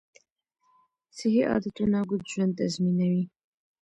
صحي عادتونه اوږد ژوند تضمینوي.